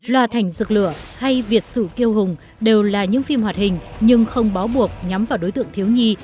loa thành dược lửa hay việt sự kiêu hùng đều là những phim hoạt hình nhưng không bó buộc nhắm vào đối tượng thiếu nhi